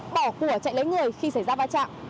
bỏ của chạy lấy người khi xảy ra vai trạng